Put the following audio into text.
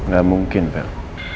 gak mungkin vel